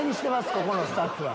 ここのスタッフは。